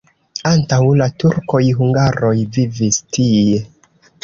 Antaŭ la turkoj hungaroj vivis tie.